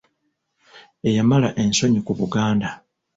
Eyamala ensonyi ku Baganda.